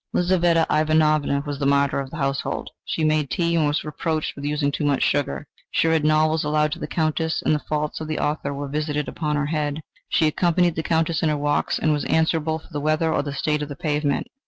Lizaveta Ivanovna was the martyr of the household. She made tea, and was reproached with using too much sugar; she read novels aloud to the Countess, and the faults of the author were visited upon her head; she accompanied the Countess in her walks, and was held answerable for the weather or the state of the pavement.